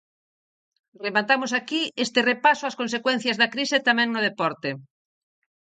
Rematamos aquí este repaso ás consecuencias da crise tamén no deporte.